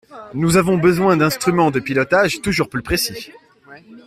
Nous avons besoin d’instruments de pilotage toujours plus précis.